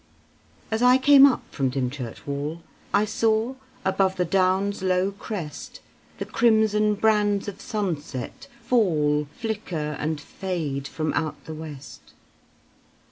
As I came up from Dymchurch Wall, I saw above the Downs' low crest The crimson brands of sunset fall, Flicker and fade from out the West.